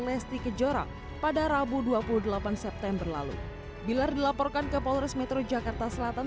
lesti kejora pada rabu dua puluh delapan september lalu bilar dilaporkan ke polres metro jakarta selatan